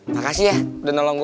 makasih ya udah nolong gue